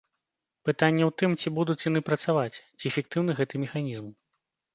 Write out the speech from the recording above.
Пытанне ў тым, ці будуць яны працаваць, ці эфектыўны гэта механізм.